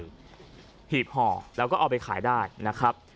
หีบห่อแล้วก็เอาไปขายได้นะครับ